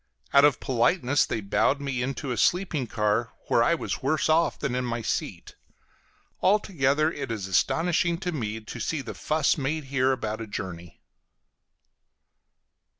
Out of politeness they bowed me into a sleeping car, where I was worse off than in my seat. Altogether, it is astonishing to me to see the fuss made here about a journey.